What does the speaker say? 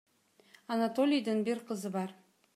Анатолийдин бир кызы бар.